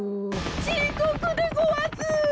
ちこくでごわす！